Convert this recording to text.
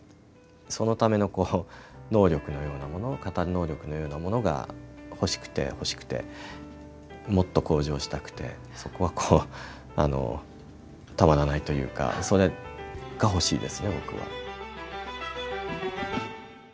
そのための能力のようなもの語る能力のようなものが欲しくて欲しくて、もっと向上したくてそこは止まらないというかそれが欲しいですね、僕は。